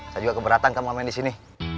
saya juga keberatan kamu ngemain disini